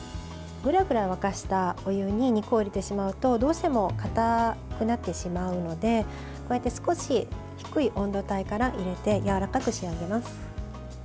ぐらぐら沸かしたお湯に肉を入れてしまうとどうしてもかたくなってしまうので少し低い温度帯から入れてやわらかく仕上げます。